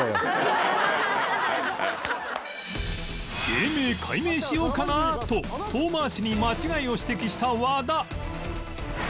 「芸名改名しようかな？」と遠回しに間違いを指摘した和田